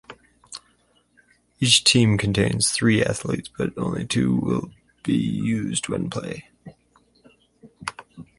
Each team contains three athletes but only two will be used when play.